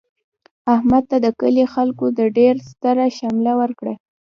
احمد ته د کلي خلکو د ډېر ستره شمله ورکړله.